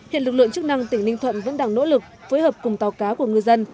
hiện lực lượng chức năng tỉnh ninh thuận vẫn đang nỗ lực phối hợp cùng tàu cá của ngư dân